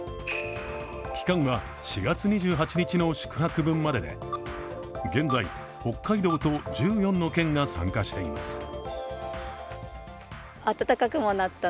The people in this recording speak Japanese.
期間は４月２８日の宿泊分までで現在、北海道と１４の県が参加しています。